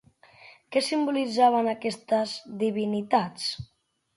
Què simbolitzaven aquestes divinitats?